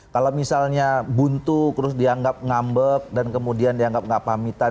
kalau misalnya buntu terus dianggap ngambek dan kemudian dianggap nggak pamitan